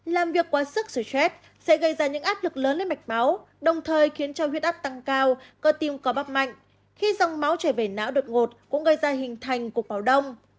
làm việc quá sức sửa chết sẽ gây ra những áp lực lớn lên mạch máu đồng thời khiến cho huyết áp tăng cao cơ tim có bắp mạnh khi dòng máu trở về não đột ngột cũng gây ra hình thành cục máu đông